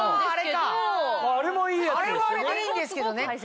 あれはあれでいいんですけどね。